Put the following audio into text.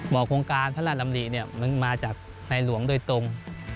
โครงการพระราชดำริมันมาจากในหลวงโดยตรง